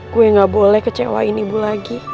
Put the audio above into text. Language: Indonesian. gue gak boleh kecewain ibu lagi